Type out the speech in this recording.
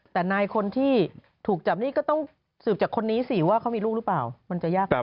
แต่นายคนที่ถูกจับนี่ก็ต้องสืบจากคนนี้สิว่าเขามีลูกหรือเปล่ามันจะยากขึ้น